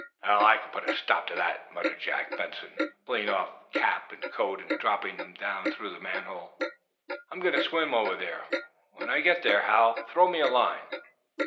"I can put a stop to that," muttered Jack Benson, pulling off cap and coat and dropping them down through the manhole. "I'm going to swim over there. When I get there, Hal, throw me a line."